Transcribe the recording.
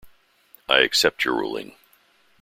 I accept your ruling.